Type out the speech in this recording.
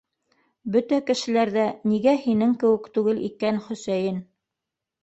- Бөтә кешеләр ҙә нигә һинең кеүек түгел икән, Хөсәйен?!